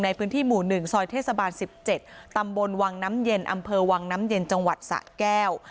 ในพื้นที่หมู่๑ซอยเทศบาล๑๗ตำบลวังน้ำเย็นอำเภอวังน้ำเย็นจังหวัดสะแก้ว